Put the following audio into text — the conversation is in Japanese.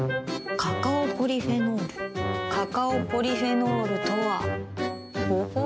カカオポリフェノールカカオポリフェノールとはほほう。